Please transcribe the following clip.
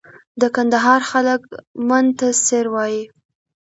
د کندهار خلک من ته سېر وایي.